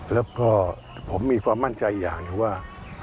แล้วก็ผมมีความมั่นใจอย่างหนึ่งว่า